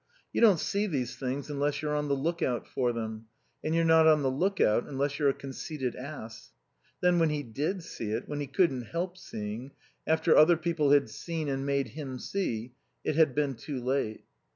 You don't see these things unless you're on the lookout for them, and you're not on the lookout unless you're a conceited ass. Then when he did see it, when he couldn't help seeing, after other people had seen and made him see, it had been too late.